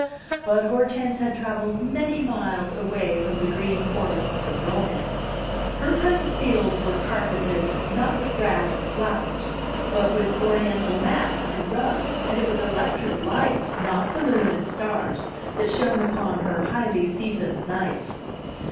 But Hortense had travelled many miles away from the green forests of romance; her present fields were carpeted, not with grass and flowers, but with Oriental mats and rugs, and it was electric lights, not the moon and stars, that shone upon her highly seasoned nights.